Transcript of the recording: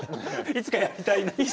いつかやりたいなと？